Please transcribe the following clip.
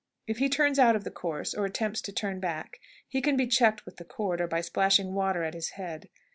If he turns out of the course, or attempts to turn back, he can be checked with the cord, or by splashing water at his head.